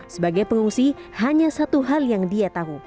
sebagai pengungsi hanya satu hal yang dia tahu